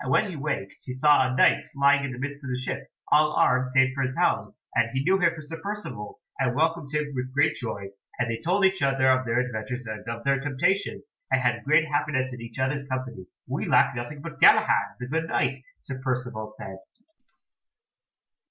When he waked he saw a Knight lying in the midst of the ship, all armed save for his helm, and he knew him for Sir Percivale, and welcomed him with great joy; and they told each other of their adventures and of their temptations, and had great happiness in each other's company. "We lack nothing but Galahad, the good Knight," Sir Percivale said.